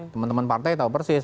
teman teman partai tahu persis